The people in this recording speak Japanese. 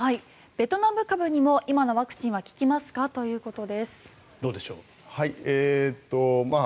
ベトナム株にも今のワクチンは効きますか？ということです。